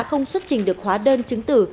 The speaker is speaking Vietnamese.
không xuất trình được hóa đơn chứng tử